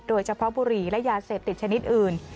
โดยเฉพาะบุหรี่และยาเสพติดชนิดอื่น